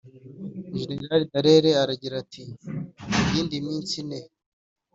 jenerali dallaire aragira ati: mu yindi minsi ine,